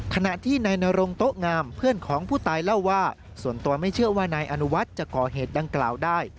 ขณะที่นายนรงโต๊ะงามเพื่อนของผู้ตายเล่าว่าส่วนตัวไม่เชื่อว่านายอนุวัฒน์จะก่อเหตุดังกล่าวได้